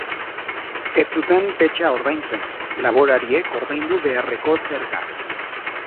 Ez zuten petxa ordaintzen, laborariek ordaindu beharreko zerga.